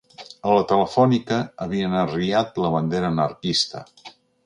A la Telefònica havien arriat la bandera anarquista